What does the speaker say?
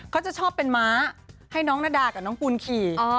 เขาจะชอบเป็นหม้าให้น้องนาดากับคุณขี่